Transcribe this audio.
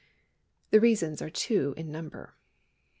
The reasons are two in number.